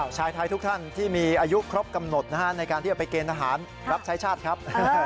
ชายไทยทุกท่านที่มีอายุครบกำหนดในการที่จะไปเกณฑ์ทหารรับใช้ชาติครับ